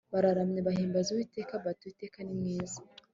bararamya, bahimbaza uwiteka bati 'uwiteka ni mwiza